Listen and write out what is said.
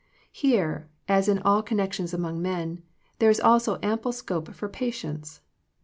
Here, as in all connections among men, there is also ample scope for patience.